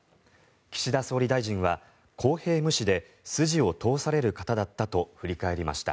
岸田総理大臣は、公平無私で筋を通される方だったと振り返りました。